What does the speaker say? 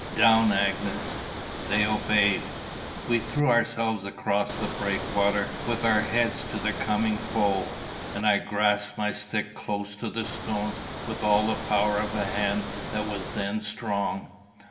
Down Agnes!" They obeyed. We threw ourselves across the breakwater, with our heads to the coming foe, and I grasped my stick close to the stones with all the power of a hand that was then strong.